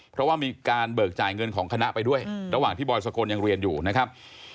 เพราะว่ามีการเบิกจ่ายเงินของคณะไปด้วยระหว่างที่บอยสกลยังเรียนอยู่นะครับ